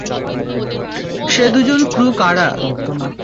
সে দুজন ক্রু কারা?